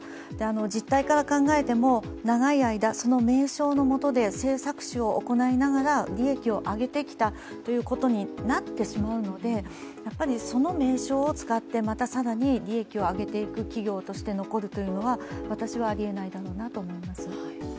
実態から考えても、長い間、その名称のもとで性搾取を行いながら、利益を上げてきたということになってしまうのでその名称を使って、また更に利益を上げていく企業として残るというのは私はありえないだろうなと思います。